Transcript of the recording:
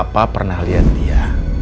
bapak pernah lihat dia